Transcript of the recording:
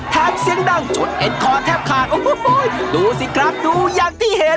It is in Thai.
เสียงดังจนเอ็นคอแทบขาดโอ้โหดูสิครับดูอย่างที่เห็น